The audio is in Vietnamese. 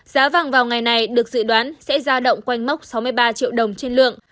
giá vàng vào ngày này được dự đoán sẽ ra động quanh mốc sáu mươi ba triệu đồng trên lượng